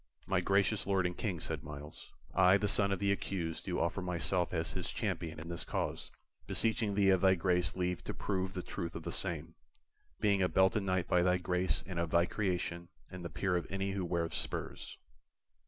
"My gracious Lord and King," said Myles, "I, the son of the accused, do offer myself as his champion in this cause, beseeching thee of thy grace leave to prove the truth of the same, being a belted knight by thy grace and of thy creation and the peer of any who weareth spurs."